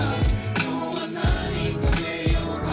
「今日は何食べようか」